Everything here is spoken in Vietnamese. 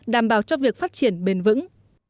đảm bảo cho việc phát triển bền vững